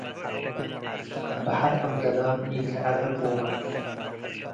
በሐር አብደላም ኢልትዐሬ ቆረ